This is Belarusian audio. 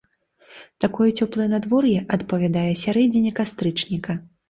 Такое цёплае надвор'е адпавядае сярэдзіне кастрычніка.